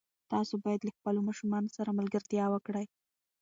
تاسو باید له خپلو ماشومانو سره ملګرتیا وکړئ.